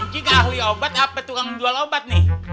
jika ahli obat apa tukang jual obat nih